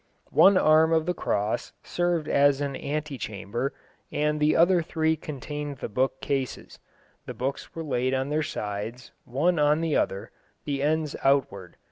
One arm of the cross served as an ante chamber, and the other three contained the book cases. The books were laid on their sides, one on the other, the ends outward.